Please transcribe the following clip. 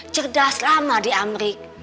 cerdas lama di amrik